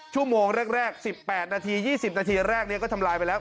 ชั่วโมงแรก๑๘นาที๒๐นาทีแรกนี้ก็ทำลายไปแล้ว